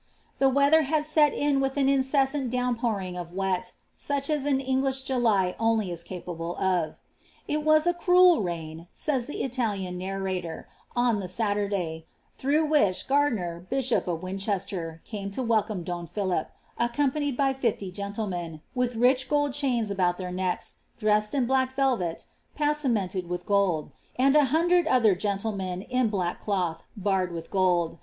The weather had set in with an incessani dow»4 pouring of wet, such as an English July only is capable of. ■■ It was ■ cruel nin," says the Italian narrator, " on the Saturday ;" ihrongh which, Gardiner, bishop of Winchester, came to welcome don Philip, acoom* paiiied by fifty gentlemen, with rich gold chains about their neekl^ dressed in black velvet, passamented with gold ; and a hundiwl otbw gentlemen, in black cloth, barred with gold.